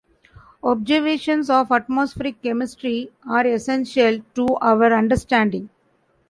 Observations of atmospheric chemistry are essential to our understanding.